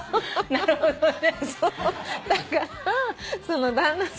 なるほどね。